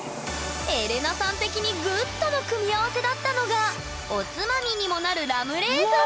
エレナさん的にグッドの組み合わせだったのがおつまみにもなるわ！